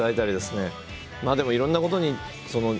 でもいろんなことに。